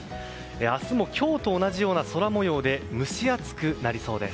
明日も今日と同じような空模様で蒸し暑くなりそうです。